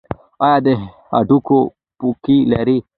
ایا د هډوکو پوکي لرئ؟